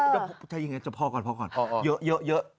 อย่างเองจะพ่อก่อนนะ